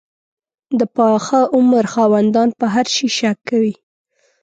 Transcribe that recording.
د پاخه عمر خاوندان په هر شي شک کوي.